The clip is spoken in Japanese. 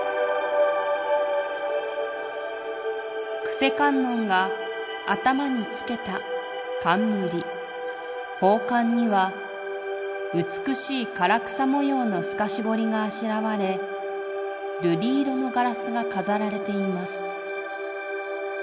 「救世観音が頭につけた冠宝冠には美しい唐草模様の透かし彫りがあしらわれ瑠璃色のガラスが飾られています。